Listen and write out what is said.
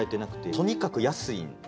とにかく安いんですよ。